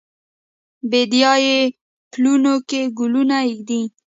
بیدیا یې پلونو کې ګلونه ایږدي